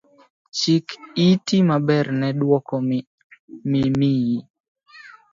Chik iti maber ne dwoko mimiyi